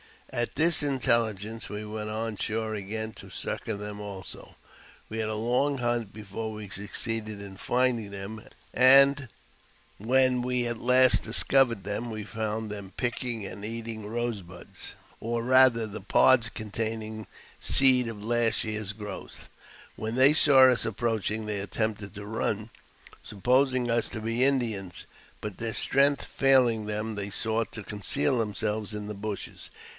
At this intelHgence we went on shore again to succour them also. We had a long hunt before we succeeded in finding 302 AUTOBIOGBAPHY OF them, and when we at last discovered them, we found them picking and eating rosebuds, or, rather, the pods containing seed of last year's growth. When they saw us approaching they attempted to run, supposing us to be Indians ; but, their strength failing them, they sought to conceal themselves in the bushes.